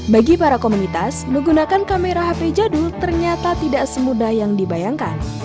bagi para komunitas menggunakan kamera hp jadul ternyata tidak semudah yang dibayangkan